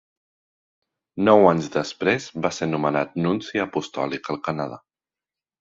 Nou anys després va ser nomenat nunci apostòlic al Canadà.